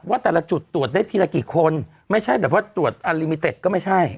ว่าแต่ละจุดตรวจได้ทีละกี่คนไม่ใช่แบบว่าตรวจอัลลิมิเต็ดก็ไม่ใช่